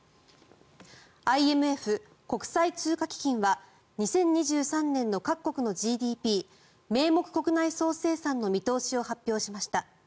ＩＭＦ・国際通貨基金は２０２３年の各国のＧＤＰ・名目国内総生産の見通しを発表しました。